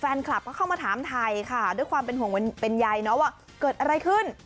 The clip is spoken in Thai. แฟนคลับก็เข้ามาถามไทยค่ะด้วยความเป็นห่วงเป็นใยเนาะว่าเกิดอะไรขึ้น